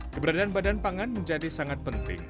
keberadaan badan pangan menjadi sangat penting